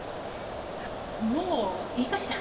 もういいかしら？